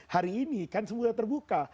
hari ini kan semua terbuka